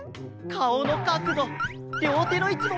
かおのかくどりょうてのいちもぴったり！